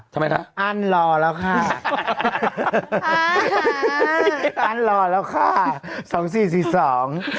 ทำไมครับอันหล่อแล้วค่ะอันหล่อแล้วค่ะสองสี่สี่สอง